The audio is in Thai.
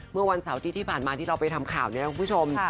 เมื่อวันเสาร์อาทิตย์ที่ผ่านมาที่เราไปทำข่าวเนี่ยคุณผู้ชม